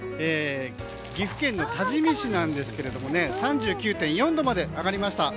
岐阜県の多治見市なんですけれども３９．４度まで上がりました。